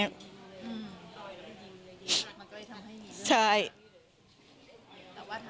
มันก็จะทำให้มีเรื่องมากกว่านี้เลย